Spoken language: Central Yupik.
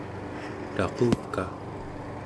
taquka